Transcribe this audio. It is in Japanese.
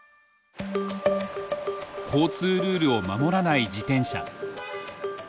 交通ルールを守らない自転車。